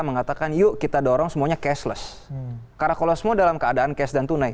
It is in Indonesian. mengatakan yuk kita dorong semuanya cashless karena kalau semua dalam keadaan cash dan tunai